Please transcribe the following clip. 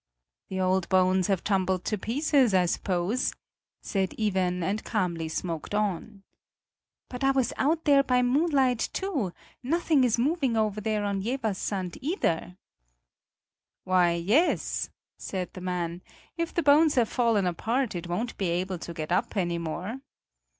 "The old bones have tumbled to pieces, I suppose," said Iven and calmly smoked on. "But I was out there by moonlight, too; nothing is moving over there on Jeverssand, either!" "Why, yes!" said the man, "if the bones have fallen apart, it won't be able to get up any more."